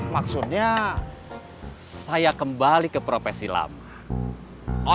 maksudnya saya kembali ke profesi lama